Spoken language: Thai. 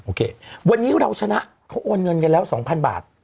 โอเควันนี้เราชนะเขาโอนเงินกันแล้ว๒๐๐บาท